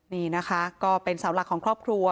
นี่นะคะก็เป็นเสาหลักของครอบครัว